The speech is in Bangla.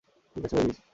ঠিক আছে, মেভিস!